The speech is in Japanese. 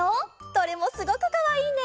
どれもすごくかわいいね！